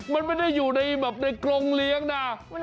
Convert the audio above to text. มันไม่ได้อยู่ในกลงเลี้ยงนะ